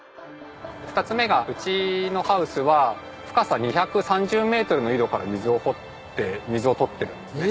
２つ目がうちのハウスは深さ２３０メートルの井戸から水を掘って水をとってるんですね。